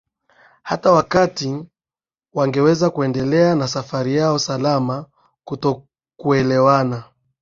hata wakati wangeweza kuendelea na safari yao salama Kutokuelewana